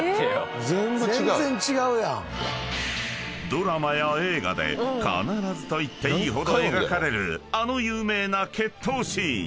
［ドラマや映画で必ずといっていいほど描かれるあの有名な決闘シーン